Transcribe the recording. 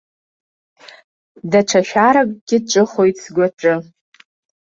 Даҽа шәаракгьы ҿыхоит сгәаҿы.